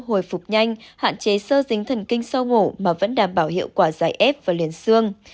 hồi phục nhanh hạn chế sơ dính thần kinh sau mổ mà vẫn đảm bảo hiệu quả giải f và liền xương